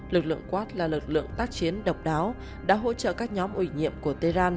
lực lượng quát là lực lượng tác chiến độc đáo đã hỗ trợ các nhóm ủy nhiệm của tehran